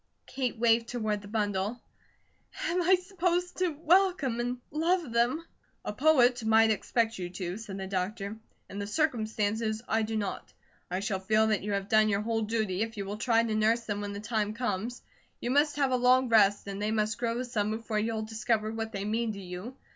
Kate waved toward the bundle: "Am I supposed to welcome and love them?" "A poet might expect you to," said the doctor. "In the circumstances, I do not. I shall feel that you have done your whole duty if you will try to nurse them when the time comes. You must have a long rest, and they must grow some before you'll discover what they mean to you.